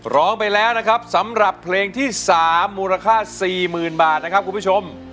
ร้องไปแล้วนะครับสำหรับเพลงที่๓มูลค่า๔๐๐๐บาทนะครับคุณผู้ชม